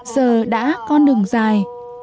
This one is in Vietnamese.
giờ đã con đường dài